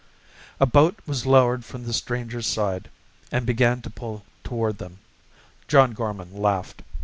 A boat was lowered from the stranger's side and began to pull toward them. John Gorman laughed.